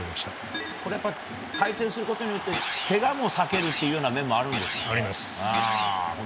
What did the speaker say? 回転することによってけがも避けるという面もあるんですか？